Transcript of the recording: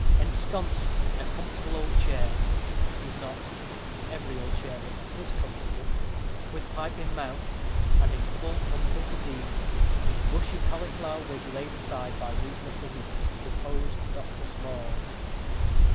Ensconced in a comfortable old chair it is not every old chair that is comfortable, with pipe in mouth, and in full unbuttoned ease, his bushy cauliflower wig laid aside, by reason of the heat, reposed Dr. Small.